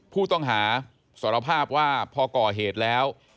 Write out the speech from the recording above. ผู้ต้องหาสารภาพว่าพอก่อเหตุแล้ว